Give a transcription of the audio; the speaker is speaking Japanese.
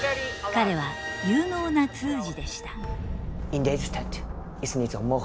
彼は有能な通詞でした。